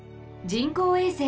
人工衛星？